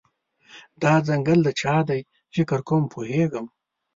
دا ځنګل د چا دی، فکر کوم پوهیږم